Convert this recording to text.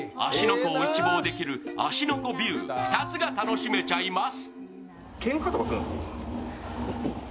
湖を一望できる芦ノ湖ビュー、２つが楽しめちゃいます。